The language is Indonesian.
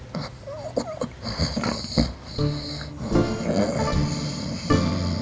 mak ini yang pejitin ya